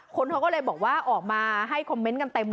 คนเขาก็เลยบอกว่าออกมาให้คอมเมนต์กันเต็มเลย